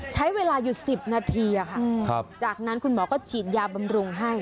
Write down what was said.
ใช้เวลาอยู่๑๐นาทีจากนั้นคุณหมอก็ฉีดยาบำรุงให้